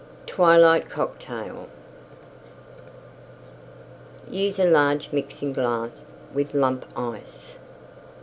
TWILIGHT COCKTAIL Use a large Mixing glass with Lump Ice.